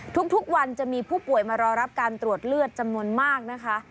ทุกวันจะมีผู้ป่วยมารอรับการตรวจเลือดจำนวนมากนะคะ